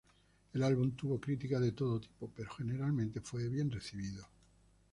El álbum tuvo críticas de todo tipo, pero generalmente fue bien recibido.